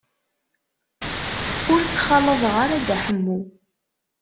Ur ttxalaḍeɣ ara Dda Ḥemmu.